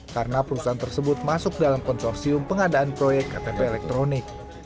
karena perusahaan tersebut masuk dalam konsorsium pengadaan proyek ktp elektronik